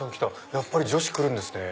やっぱり女子来るんですね。